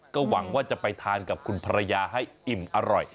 ก็หวังว่าจะไปทานกับคุณภรรยาให้อิ่มอร่อย